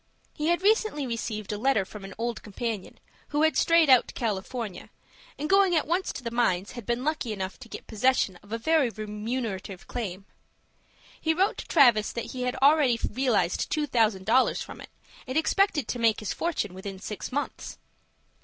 He had recently received a letter from an old companion, who had strayed out to California, and going at once to the mines had been lucky enough to get possession of a very remunerative claim. He wrote to Travis that he had already realized two thousand dollars from it, and expected to make his fortune within six months.